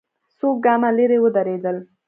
څو ګامه ليرې ودرېدل.